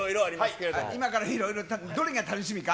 けれ今からいろいろ、どれが楽しみか？